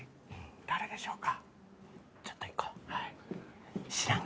誰でしょうか。